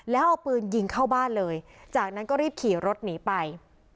แล้วเอาปืนยิงเข้าบ้านเลยจากนั้นก็รีบขี่รถหนีไป